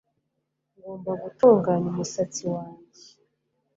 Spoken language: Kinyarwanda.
Ngomba gutunganya umusatsi wanjye